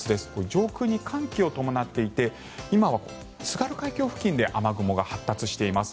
上空に寒気を伴っていて今は津軽海峡付近で雨雲が発達しています。